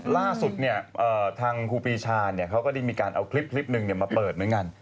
ล่าสุดทางครูปีชาเขาก็ได้มีการเอาคลิปหนึ่งมาเปิดเหมือนกัน